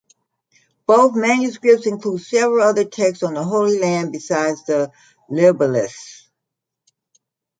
Both manuscripts include several other texts on the Holy Land besides the "Libellus".